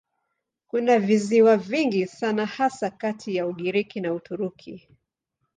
Kuna visiwa vingi sana hasa kati ya Ugiriki na Uturuki.